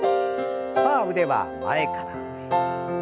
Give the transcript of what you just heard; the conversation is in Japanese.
さあ腕は前から上へ。